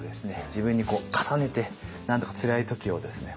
自分に重ねてなんとかつらい時をですね